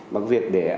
bằng việc để